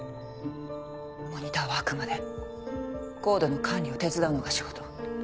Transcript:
モニターはあくまでＣＯＤＥの管理を手伝うのが仕事。